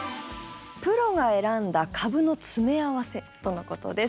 プロが選んだ株の詰め合わせとのことです。